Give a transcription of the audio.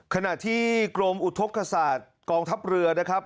ขณะที่กรมอุทธกษาตกองทัพเรือนะครับ